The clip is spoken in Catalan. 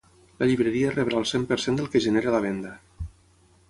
La llibreria rebrà el cent per cent del que genere la venda.